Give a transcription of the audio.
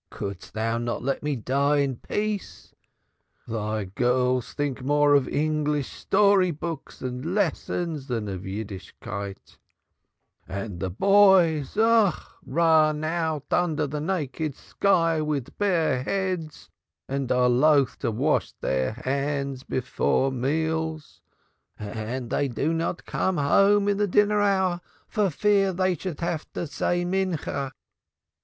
Could'st thou not let me die in peace? Thy girls think more of English story books and lessons than of Yiddishkeit, and the boys run out under the naked sky with bare heads and are loth to wash their hands before meals, and they do not come home in the dinner hour for fear they should have to say the afternoon prayer.